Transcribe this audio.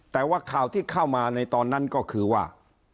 แต่ว่าข่าวที่เข้ามาในตอนนั้นก็คือว่า